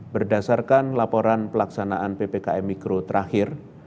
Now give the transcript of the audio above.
berdasarkan laporan pelaksanaan ppkm mikro terakhir